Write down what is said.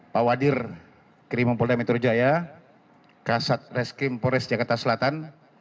pak wadir krimum polda metro jaya kasat reskrim polres jakarta selatan